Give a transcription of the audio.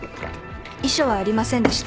遺書はありませんでした。